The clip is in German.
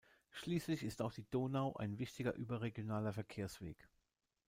Schließlich ist auch die Donau ein wichtiger überregionaler Verkehrsweg.